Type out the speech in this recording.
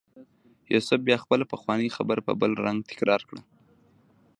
یوسف بیا خپله پخوانۍ خبره په بل رنګ تکرار کړه.